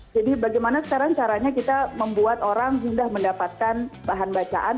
jadi bagaimana sekarang caranya kita membuat orang mudah mendapatkan bahan bacaan